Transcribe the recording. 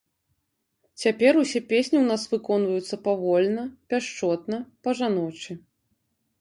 Цяпер усе песні ў нас выконваюцца павольна, пяшчотна, па-жаночы.